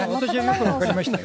分かりましたよ。